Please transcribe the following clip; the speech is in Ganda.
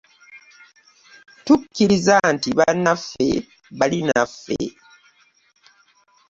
Tukkiriza nti bannaffe bali naffe.